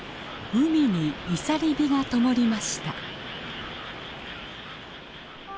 海にいさり火がともりました。